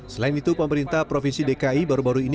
selain itu pemerintah provinsi dki baru baru ini